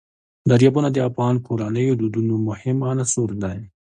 دریابونه د افغان کورنیو د دودونو مهم عنصر دی.